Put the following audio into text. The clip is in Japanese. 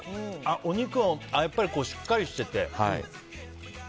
お肉、やっぱりしっかりしてて。